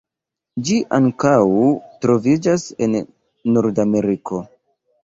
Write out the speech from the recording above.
Ĝi ankaŭ troviĝas en Nordameriko.